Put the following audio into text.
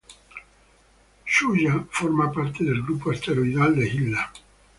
Shuya forma parte del grupo asteroidal de Hilda.